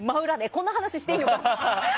こんな話していいの？